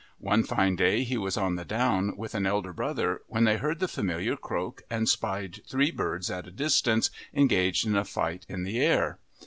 One fine day he was on the down with an elder brother, when they heard the familiar croak and spied three birds at a distance engaged in a fight in the air.